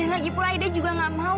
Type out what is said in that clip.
dan lagipun aida juga gak mau